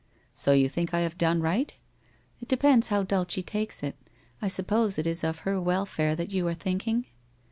* So you think I have done right? '' It depends how Dulce takes it. I suppose it is of her welfare that you are thinking?'